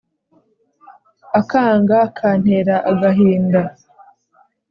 akanga akantera agahinda